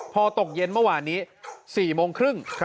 พอตกเย็นเมื่อวานนี้๔โมงครึ่ง